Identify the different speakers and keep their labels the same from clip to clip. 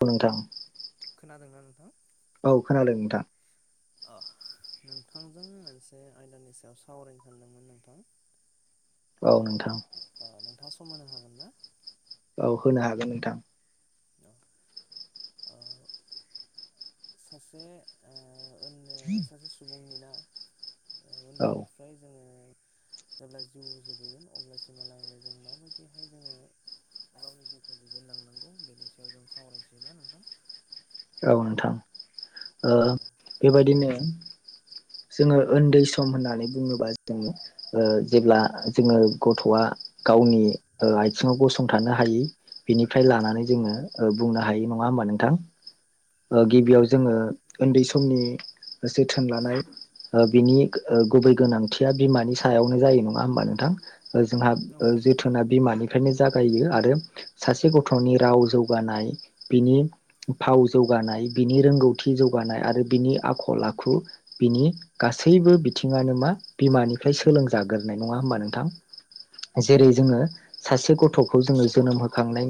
Speaker 1: औ नोंथां
Speaker 2: खोनादों‌ ना नों
Speaker 1: औ खोनादों नोंथां।
Speaker 2: अह नोंथांजों मोनसे आयदानि सायाव सावरायनो सानदोंमोन नोंथां।
Speaker 1: औ नोंथां।
Speaker 2: ओ नोंथाङा सम होनो हागोन ना?
Speaker 1: औ होनो हागोन नोंथां।
Speaker 2: औ ओ। सासे ओ ओननो सासे सुबुंनि ना
Speaker 1: औ
Speaker 2: उन्दैनिफ्राय जोङो जेब्ला जिउ जोबहैगोन अब्लासिमहालागो जों माबायदिहाय जोङो गावनि जिउखौ दैदेनलांनांगौ बेनि सायाव जों सावरायनोसै ना नोंथां?
Speaker 1: औ नोंथां ओ बेबायदिनो जोङो ओन्दै सम होननानै बुङोबा जोङो ओ जेब्ला जोङो गथआ गावनि ओ आयथिङाव गसंथानो हायि बेनिफ्राय लानानै जोङो ओ बुंनो हायो नङा होमबा नोंथां ओ
Speaker 2: औ
Speaker 1: गिबियाव
Speaker 2: थारैनो
Speaker 1: जोङो ओन्दै स मनि जोथोन लानाय ओ बिनि ओ गुबै गोनांथिया बिमानि सायावनो जायो नङा होमबा नोंथां, ओ जोंहा
Speaker 2: औ
Speaker 1: ओ
Speaker 2: नोंथां।
Speaker 1: जोथोना बिमानिफ्रायनो जागायो आरो सासे गथनि राव जौगानाय, बिनि फाव जौगानाय, बिनि रोंगौथि जौगानाय आरो बिनि आखल आखु बिनि गासैबो बिथिङानो मा बिमानिफ्राय सोलोंजाग्रोनाय नङा होमबा नोंथां। जेरै जोङो सासे ग थखौ जोङो
Speaker 2: सासे
Speaker 1: जोनोम
Speaker 2: गथ'खौ
Speaker 1: होखांनाय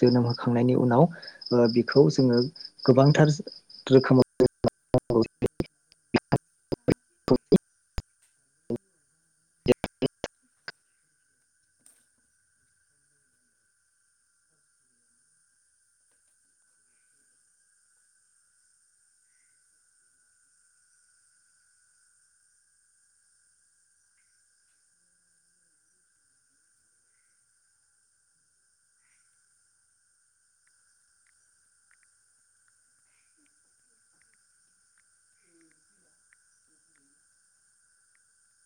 Speaker 1: जोनोम होखांनायनि उनाव ओ बिखौ जोङो गोबांथार रोखोमाव [unintelligible]